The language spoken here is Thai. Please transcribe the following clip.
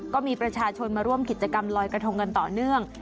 ก็มีประชาชนมาร่วมกิจกรรมลอยกระทงกันต่อเนื่อง